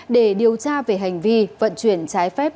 để điều tra về hành vi vận chuyển trái phép